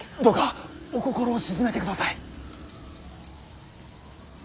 どうかお心を静めてください。